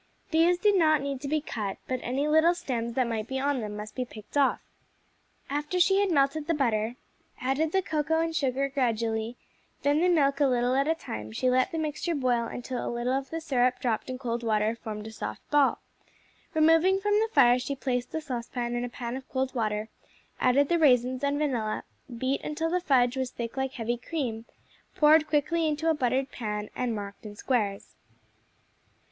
These did not need to be cut, but any little stems that might be on them must be picked off. After she had melted the butter, added the cocoa and sugar gradually, then the milk a little at a time, she let the mixture boil until a little of the syrup dropped in cold water formed a soft ball. Removing from the fire, she placed the saucepan in a pan of cold water, added the raisins and vanilla, beat until the fudge was thick like heavy cream, poured quickly into a buttered pan and marked in squares.